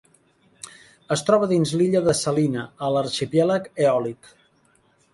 Es troba dins l'illa de Salina, a l'arxipèlag Eòlic.